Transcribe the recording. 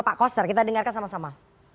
pak koster kita dengarkan sama sama